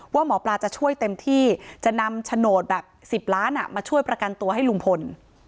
ว่าหมอปลาจะช่วยเต็มที่จะนำโฉนดแบบ๑๐ล้านมาช่วยประกันตัวให้ลุงพล